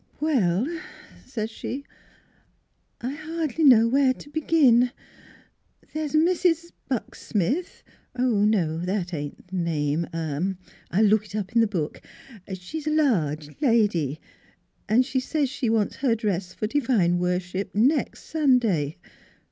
" Well," said she, " I hardly know where to begin. There's a Mrs. Bucksmith no; that ain't the name, either; I'll look it up in m' book. She's a large lady, an' she says she wants her dress for divine worship nex' Sunday.